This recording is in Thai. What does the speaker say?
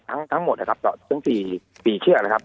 ทั้งหมดนะครับต่อทั้ง๔เชือกนะครับ